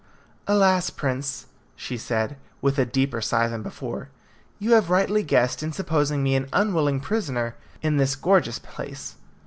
"Alas, prince," she said, with a deeper sigh than before, "you have guessed rightly in supposing me an unwilling prisoner in this gorgeous place.